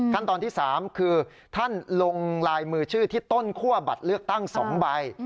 ขั้นตอนที่๓คือท่านลงลายมือชื่อที่ต้นคั่วบัตรเลือกตั้ง๒ใบ